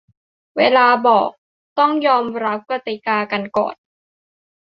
เวลาบอก ต้องยอมรับกติกากันก่อน